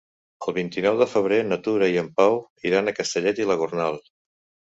El vint-i-nou de febrer na Tura i en Pau iran a Castellet i la Gornal.